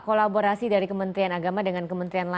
kolaborasi dari kementerian agama dengan kementerian lain